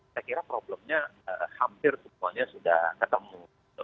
saya kira problemnya hampir semuanya sudah ketemu